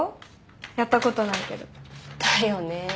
やったことないけど。だよね。